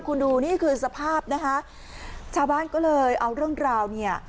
คุณดูนี่คือสภาพนะคะชาวบ้านก็เลยเอาเรื่องราวเนี่ย